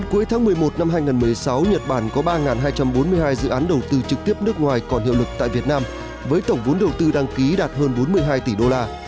cuối tháng một mươi một năm hai nghìn một mươi sáu nhật bản có ba hai trăm bốn mươi hai dự án đầu tư trực tiếp nước ngoài còn hiệu lực tại việt nam với tổng vốn đầu tư đăng ký đạt hơn bốn mươi hai tỷ đô la